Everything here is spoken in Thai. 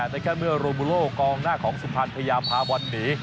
ในแค่เมื่อโรมูโลกองหน้าของสุพรรณพยาพาวันหนี